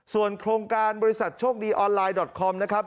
ส่วนโครงการบริษัทโชคดีออนไลน์ดอตคอมนะครับ